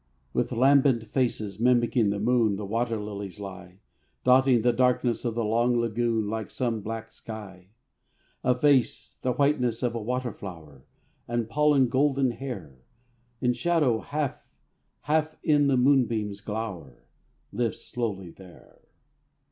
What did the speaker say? With lambent faces, mimicking the moon, The water lilies lie; Dotting the darkness of the long lagoon Like some black sky. A face, the whiteness of a water flower, And pollen golden hair, In shadow half, half in the moonbeams' glower, Lifts slowly there.